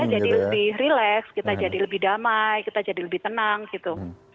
kita jadi lebih relax kita jadi lebih damai kita jadi lebih tenang gitu